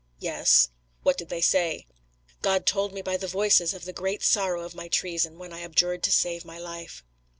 "Yes." "What did they say?" "God told me by the Voices of the great sorrow of my treason, when I abjured to save my life."